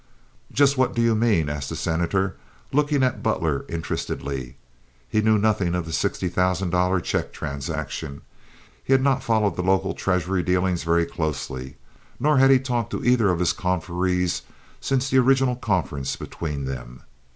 "Just what do you mean?" asked the Senator, looking at Butler interestedly. He knew nothing of the sixty thousand dollar check transaction. He had not followed the local treasury dealings very closely, nor had he talked to either of his confreres since the original conference between them.